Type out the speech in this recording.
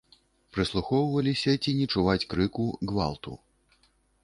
Прыслухоўваліся, ці не чуваць крыку, гвалту.